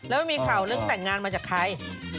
แล้วมันมีข่าวเรื่องแต่งงานมาจากใคร